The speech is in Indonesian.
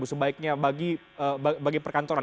sebaiknya bagi perkantoran